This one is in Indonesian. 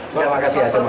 terima kasih ya teman teman